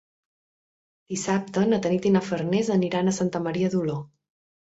Dissabte na Tanit i na Farners aniran a Santa Maria d'Oló.